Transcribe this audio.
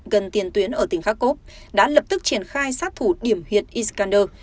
gần tiền tuyến ở tỉnh kharkov đã lập tức triển khai sát thủ điểm huyệt iskander